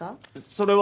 それは。